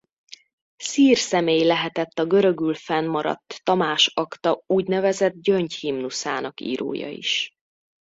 Szír személy lehetett a görögül fennmaradt Tamás akta úgynevezett Gyöngy-himnuszának írója is.